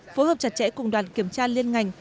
phối hợp chặt chẽ cùng đoàn kiểm tra liên ngành